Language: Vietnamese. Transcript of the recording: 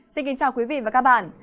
xin kính chào quý vị và các bạn